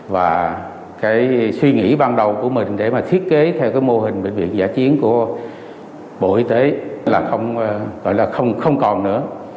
và suy nghĩ ban đầu của mình để thiết kế theo mô hình bệnh viện giả chiến của bộ y tế là không còn nữa